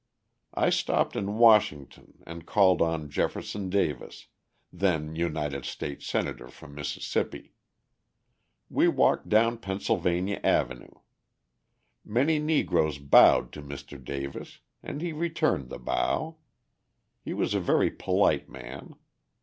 I stopped in Washington and called on Jefferson Davis, then United States Senator from Mississippi. We walked down Pennsylvania Avenue. Many Negroes bowed to Mr. Davis and he returned the bow. He was a very polite man.